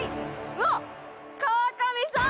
うわっ川上さん！